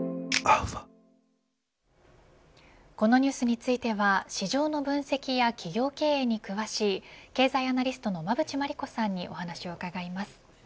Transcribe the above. このニュースについては市場の分析や企業経営に詳しい経済アナリストの馬渕磨理子さんにお話を伺います。